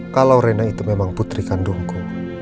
kalau rena itu memang putri kandungku